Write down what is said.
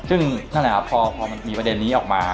ซึ่งพอมีประเด็นนี้ออกมา